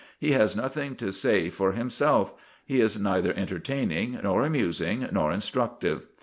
He has nothing to say for himself; he is neither entertaining, nor amusing, nor instructive.